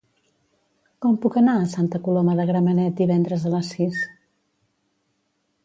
Com puc anar a Santa Coloma de Gramenet divendres a les sis?